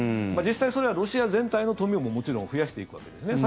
実際にそれはロシア全体の富をももちろん増やしていくわけです。